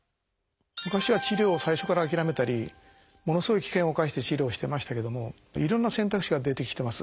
昔は治療を最初から諦めたりものすごい危険を冒して治療をしてましたけどもいろんな選択肢が出てきてます。